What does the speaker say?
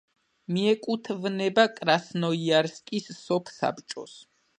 მიეკუთვნება კრასნოიარსკის სოფსაბჭოს.